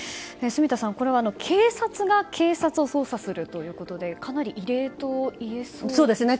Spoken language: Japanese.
住田さん、警察が警察を捜査するということでかなり異例といえそうですね。